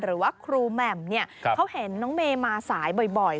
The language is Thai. หรือว่าครูแหม่มเนี่ยเขาเห็นน้องเมย์มาสายบ่อย